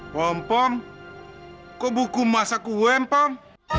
pompom kau buku masa ku empam